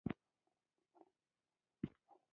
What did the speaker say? د کارسینوما د پوست او غشا سرطان دی.